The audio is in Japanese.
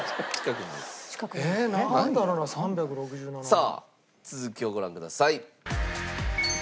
さあ続きをご覧ください。